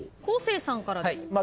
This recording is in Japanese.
昴生さんからです。